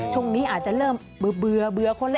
ช่วงนี้อาจจะเริ่มเบื่อคนแล้ว